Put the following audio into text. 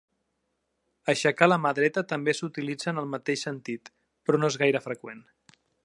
Aixecar la mà dreta també s'utilitza en el mateix sentit, però no és gaire freqüent.